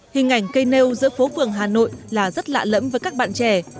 hình ảnh cây nêu giữa phố phường hà nội là rất lạ lẫm với các bạn trẻ